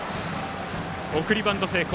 送りバント成功。